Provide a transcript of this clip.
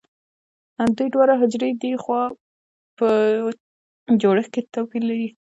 دوی دواړه حجرې دي خو په جوړښت کې توپیر لري